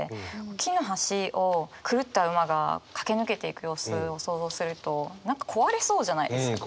木の橋を狂った馬が駆け抜けていく様子を想像すると何か壊れそうじゃないですか。